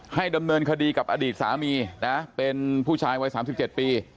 ดำเนินคดีกับอดีตสามีนะเป็นผู้ชายวัย๓๗ปี